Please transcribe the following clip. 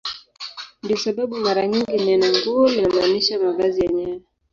Ndiyo sababu mara nyingi neno "nguo" linamaanisha mavazi yenyewe.